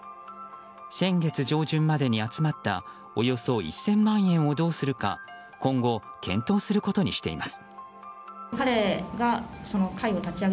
先月上旬までに集まったおよそ１０００万円をどうするか今後、検討することにしています。